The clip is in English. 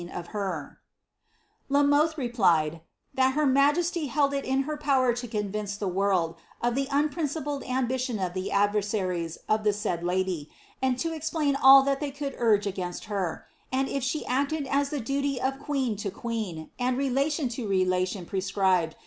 othe replied, ^ that her majesty had it in her power to convince id of the unprincipled ambition of the adversaries of the said d to explain all that they could urge against her; and if she the duty of queen to queen, and relation to relation prescribed